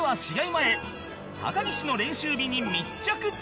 前高岸の練習日に密着！